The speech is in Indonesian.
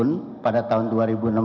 dan juga dikawasan di asia pasifik